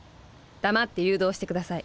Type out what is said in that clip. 黙って誘導して下さい。